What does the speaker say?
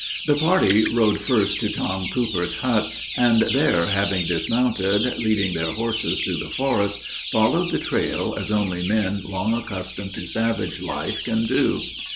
The party rode first to Tom Cooper's hut, and there, having dismounted, leading their horses through the forest, followed the trail, as only men long accustomed to savage life can do.